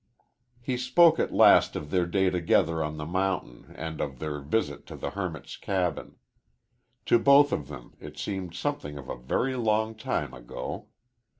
He spoke at last of their day together on the mountain and of their visit to the hermit's cabin. To both of them it seemed something of a very long time ago.